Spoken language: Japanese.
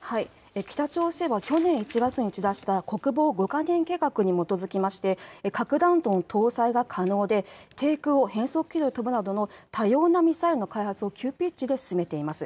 北朝鮮は去年１月に打ち出した国防５か年計画に基づいて核弾頭の搭載が可能で低空を変則軌道で飛ぶなどの多様なミサイルの開発を急ピッチで進めています。